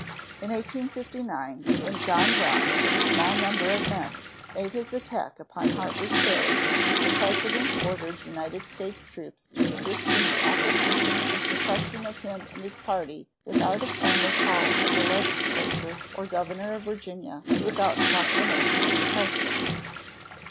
In 1859, when John Brown, with a small number of men, made his attack upon Harpers Ferry, the President ordered United States troops to assist in the apprehension and suppression of him and his party without a formal call of the legislature or governor of Virginia and without proclamation of the President.